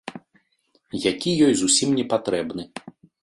Які ёй зусім не патрэбны.